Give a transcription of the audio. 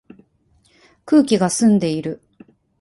空気が澄んでいる